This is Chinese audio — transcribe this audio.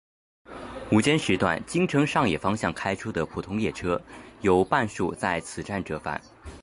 午间时段京成上野方向开出的普通列车有半数在此站折返。